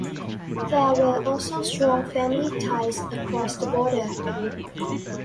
There were also strong family ties across the border.